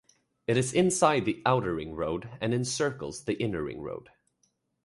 It is inside the Outer Ring Road, and incircles the Inner Ring Road.